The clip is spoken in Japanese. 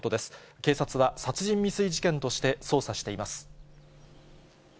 警察は、殺人未遂事件として捜査しています。